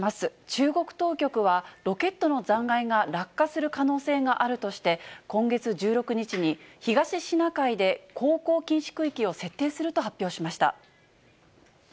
中国当局は、ロケットの残骸が落下する可能性があるとして、今月１６日に東シナ海で航行禁止区域を設定すると発表しました。